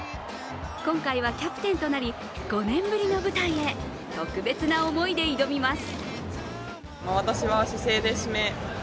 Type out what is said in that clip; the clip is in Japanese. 今回はキャプテンとなり５年ぶりの舞台へ特別な思いで挑みます。